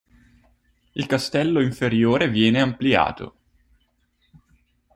Il castello inferiore viene ampliato.